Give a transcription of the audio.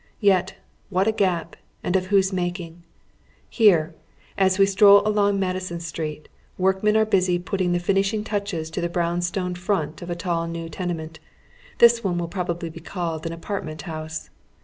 Yet, what a gap ! and of whose making ? Here, as we stroll along Madison Street, workmen are busy putting the fin ishing touches to the brown stone front of a tall new ten ement. This one will probably be called an apartment liouse.